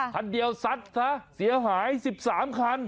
คันเดียวซัดซะเสียหาย๑๓คัน